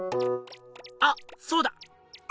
あっそうだ！